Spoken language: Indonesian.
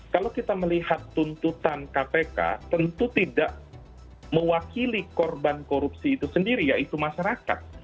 kalau kita melihat tuntutan kpk tentu tidak mewakili korban korupsi itu sendiri yaitu masyarakat